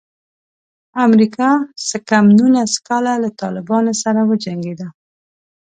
امریکا څه کم نولس کاله له طالبانو سره وجنګېده.